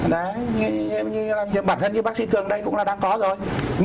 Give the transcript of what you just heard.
đấy bản thân như bác sĩ cường đây cũng là đang có rồi